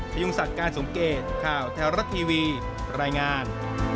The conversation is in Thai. พยุงสัตว์การสงเกตข่าวแทรวรัตท์ทีวีรายงาน